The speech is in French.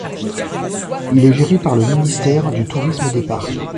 Il est géré par le ministère du Tourisme et des Parcs.